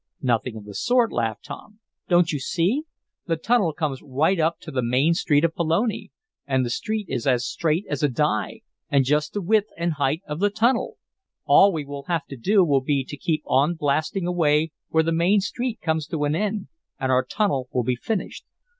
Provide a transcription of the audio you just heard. "Nothing of the sort!" laughed Tom. "Don't you see? The tunnel comes right up to the main street of Pelone. And the street is as straight as a die, and just the width and height of the tunnel. All we will have to do will be to keep on blasting away, where the main street comes to an end, and our tunnel will be finished.